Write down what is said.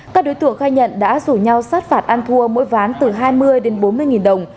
các đối tượng khai nhận đã rủ nhau sát phạt ăn thua mỗi ván từ hai mươi đến bốn mươi nghìn đồng